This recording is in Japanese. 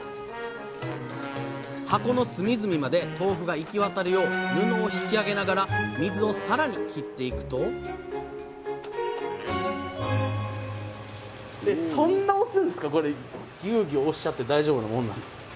箱の隅々まで豆腐が行き渡るよう布を引き上げながら水をさらに切っていくとぎゅうぎゅう押しちゃって大丈夫なもんなんですか？